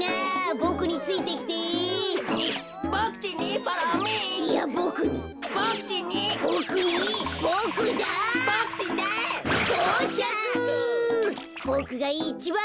ボクちんがいちばん。